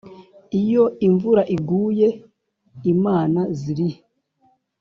iyo imvura iguye imana zirihe?